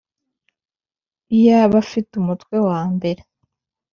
iyo abafite umutwe wambere